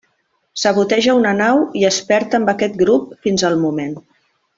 Saboteja una nau i es perd amb aquest grup fins al moment.